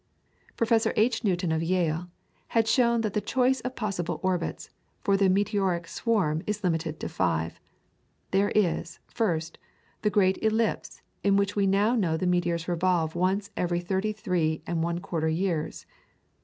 Professor H. Newton, of Yale, had shown that the choice of possible orbits for the meteoric swarm is limited to five. There is, first, the great ellipse in which we now know the meteors revolve once every thirty three and one quarter years.